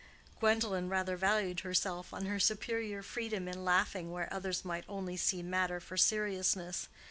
'" Gwendolen rather valued herself on her superior freedom in laughing where others might only see matter for seriousness.